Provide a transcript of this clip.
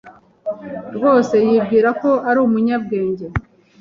rwose yibwira ko ari umunyabwenge.